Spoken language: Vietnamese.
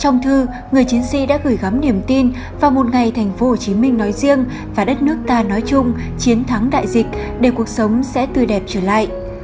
người chiến sĩ đã gửi gắm niềm tin vào một ngày thành phố hồ chí minh nói riêng và đất nước ta nói chung chiến thắng đại dịch để cuộc sống sẽ tươi đẹp trở lại